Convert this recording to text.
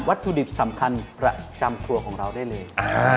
ถุดิบสำคัญประจำครัวของเราได้เลย